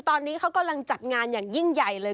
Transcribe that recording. ตอนนี้เขากำลังจัดงานอย่างยิ่งใหญ่เลย